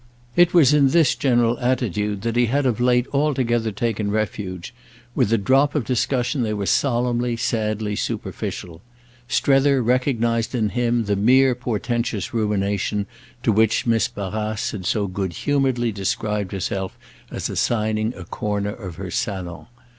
It was in this general attitude that he had of late altogether taken refuge; with the drop of discussion they were solemnly sadly superficial; Strether recognised in him the mere portentous rumination to which Miss Barrace had so good humouredly described herself as assigning a corner of her salon.